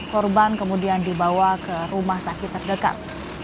korban kemudian dibawa ke rumah sakit terdekat